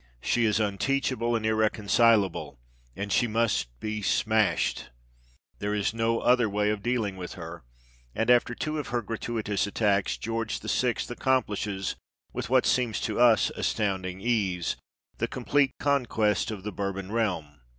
She is unteachable and irreconcilable, and she must be smashed. There is no other way of dealing with her ; and after two of her gratuitous attacks, George VI. accomplishes with what seems to us astounding ease the complete conquest of the Bourbon realm.